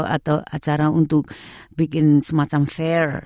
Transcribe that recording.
atau acara untuk bikin semacam fair